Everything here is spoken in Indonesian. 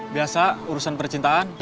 biasa urusan percintaan